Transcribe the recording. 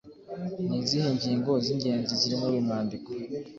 Ni izihe ngingo z’ingenzi ziri muri uyu mwandiko?